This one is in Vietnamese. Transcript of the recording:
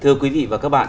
thưa quý vị và các bạn